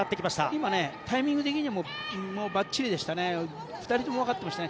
今、タイミング的にもばっちりでしたね。